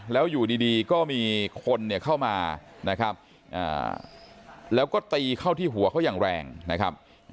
แล้วอยู่ดีก็มีคนเนี่ยเข้ามานะครับแล้วก็ตีเข้าที่หัวเขาอย่างแรงนะครับ